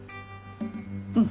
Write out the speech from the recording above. うん。